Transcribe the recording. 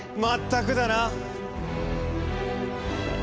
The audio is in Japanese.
全くだな。